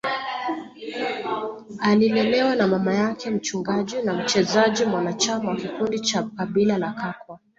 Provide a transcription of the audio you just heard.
Alilelewa na mama yake mchungaji na mchezaji mwanachama wa kikundi cha kabila la Kakwa